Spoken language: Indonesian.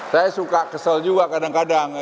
saya suka kesel juga kadang kadang